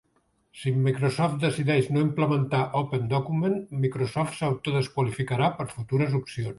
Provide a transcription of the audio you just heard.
Si Microsoft decideix no implementar OpenDocument, Microsoft s'auto desqualificarà per futures opcions.